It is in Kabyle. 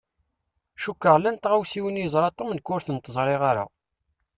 Cukkeɣ llan tɣawsiwin i yeẓṛa Tom nekk ur tent-ẓṛiɣ ara.